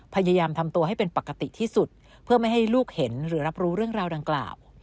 พยายามทำตัวให้เป็นปกติที่สุดเพื่อไม่ให้ลูกเห็นหรือรับรู้เรื่องราวดังกล่าว